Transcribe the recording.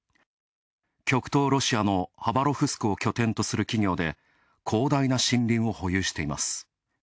極東ロシアのハバロフスクを拠点とする企業で広大な森林を保有しています。